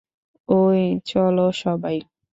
ওই, চল সবাই।